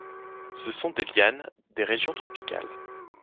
Ce sont des lianes, des régions tropicales.